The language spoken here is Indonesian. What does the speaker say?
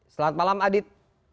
selamat malam adit